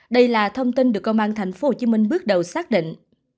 đây là thông tin được công an tp hcm bước đầu xác định